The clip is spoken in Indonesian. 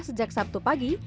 sejak sabtu pagi